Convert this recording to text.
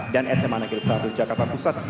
dan sma negeri satu jakarta pusat